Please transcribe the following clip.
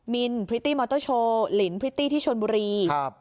นพริตตี้มอเตอร์โชว์ลินพริตตี้ที่ชนบุรีครับ